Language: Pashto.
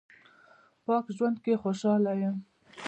پاک ژوند کې خوشاله یم